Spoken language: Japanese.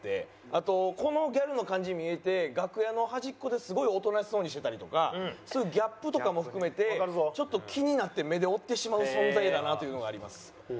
あとこのギャルの感じに見えて楽屋の端っこですごいおとなしそうにしてたりとかそういうギャップとかも含めてちょっと気になって目で追ってしまう存在だなというのがあります。